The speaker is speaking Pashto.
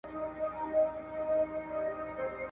زه به سبا مړۍ خورم؟!